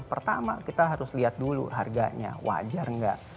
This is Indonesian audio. pertama kita harus lihat dulu harganya wajar nggak